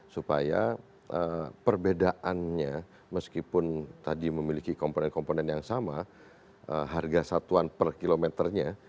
karena perbedaannya meskipun tadi memiliki komponen komponen yang sama harga satuan per kilometernya